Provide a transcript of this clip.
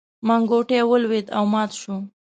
منګوټی ولوېد او مات شو.